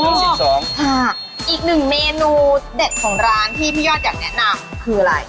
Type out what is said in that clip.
อีกหนึ่งเมนูเด็ดของร้านที่พี่ยอดอยากแนะนำคืออะไร